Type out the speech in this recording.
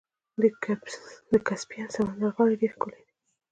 د کسپین سمندر غاړې ډیرې ښکلې دي.